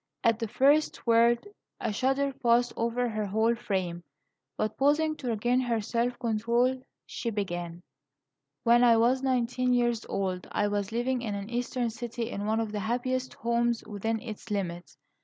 At the first word a shudder passed over her whole frame; but pausing to regain her self control, she began: "When I was nineteen years old, I was living in an Eastern city, in one of the happiest homes within its limits.